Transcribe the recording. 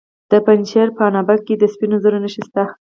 د پنجشیر په عنابه کې د سپینو زرو نښې شته.